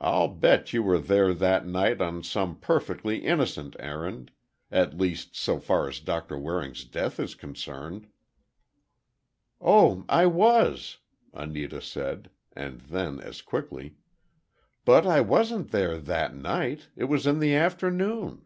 I'll bet you were there that night on some perfectly innocent errand—at least so far as Doctor Waring's death is concerned." "Oh, I was!" Anita said, and then, as quickly, "But I wasn't there at night—it was in the afternoon."